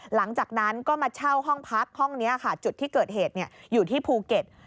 หลังจากนั้นก็มาเช่าห้องพักห้องนี้ค่ะจุดที่เกิดเหตุอยู่ที่ภูเก็ต